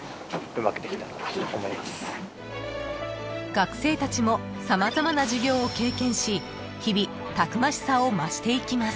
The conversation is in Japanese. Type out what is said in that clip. ［学生たちも様々な授業を経験し日々たくましさを増していきます］